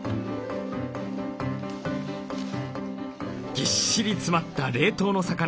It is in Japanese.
ぎっしり詰まった冷凍の魚。